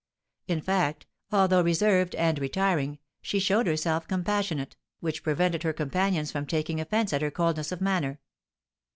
In fact, although reserved and retiring, she showed herself compassionate, which prevented her companions from taking offence at her coldness of manner.